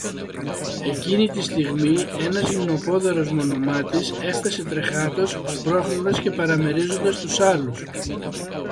Εκείνη τη στιγμή, ένας γυμνοπόδαρος μονομάτης έφθασε τρεχάτος, σπρώχνοντας και παραμερίζοντας τους άλλους